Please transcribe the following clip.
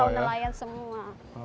perahu perahu nelayan semua